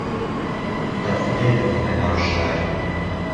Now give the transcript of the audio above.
دەخولێنەوە لە ناو شار